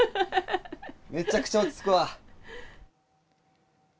めちゃくちゃ落ち着くわ。